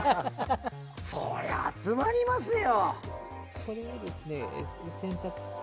そりゃ集まりますよ。